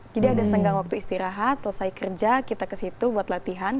ada senggang waktu istirahat selesai kerja kita ke situ buat latihan